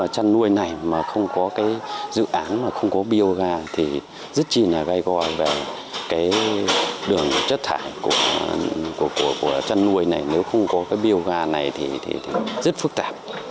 cái đường chất thải của chăn nuôi này nếu không có cái biô gà này thì rất phức tạp